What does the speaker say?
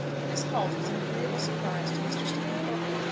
This halt was an agreeable surprise to Mr. Stephen Corbold.